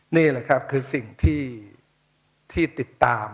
นี่แหละครับคือสิ่งที่ติดตาม